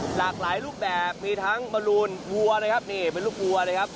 หลากหลายรูปแบบมีทั้งบรูนวัวนะครับนี่เป็นลูกวัวนะครับ